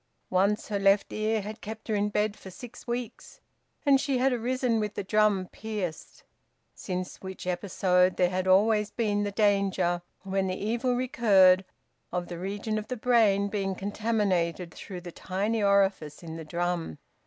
Once her left ear had kept her in bed for six weeks, and she had arisen with the drum pierced. Since which episode there had always been the danger, when the evil recurred, of the region of the brain being contaminated through the tiny orifice in the drum.